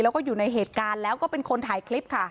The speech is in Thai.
แล้วก็อยู่ในเหตุการณ์แล้วก็เป็นคนถ่ายคลิปค่ะ